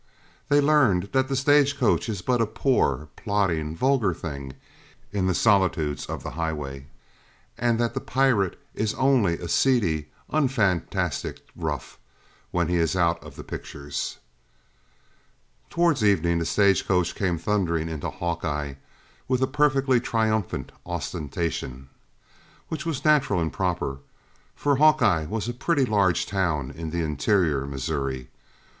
They learned then that the stagecoach is but a poor, plodding, vulgar thing in the solitudes of the highway; and that the pirate is only a seedy, unfantastic "rough," when he is out of the pictures. Toward evening, the stage coach came thundering into Hawkeye with a perfectly triumphant ostentation which was natural and proper, for Hawkey a was a pretty large town for interior Missouri.